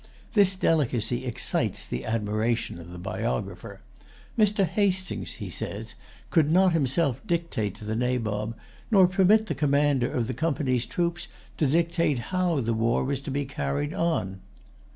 This delicacy excites the admiration of the biographer. "Mr. Hastings," he says, "could not himself dictate to the Nabob, nor permit the commander of the Company's troops to dictate how the war was to be carried on."